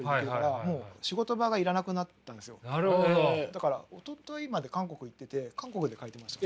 だからおとといまで韓国行ってて韓国で描いてました。